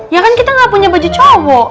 ya kan kita nggak punya baju cowok